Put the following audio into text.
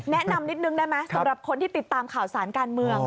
แนะนำนิดนึงได้ไหมสำหรับคนที่ติดตามข่าวสารการเมือง